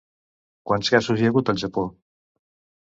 Quants casos hi ha hagut al Japó?